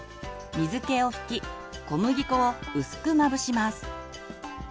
水けを拭き小麦粉を薄くまぶします。